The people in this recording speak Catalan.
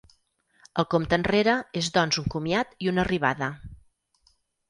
El compte enrere és doncs un comiat i una arribada.